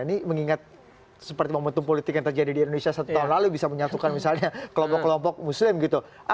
ini mengingat seperti momentum politik yang terjadi di indonesia satu tahun lalu bisa menyatukan misalnya kelompok kelompok muslim gitu